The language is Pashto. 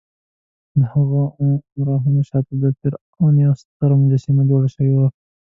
دهغه اهرامونو شاته د فرعون یوه ستره مجسمه جوړه شوې وه.